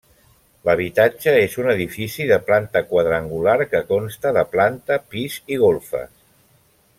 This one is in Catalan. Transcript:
L'habitatge és un edifici de planta quadrangular que consta de planta, pis i golfes.